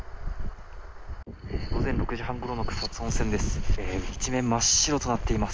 午前６時半ごろの草津温泉です。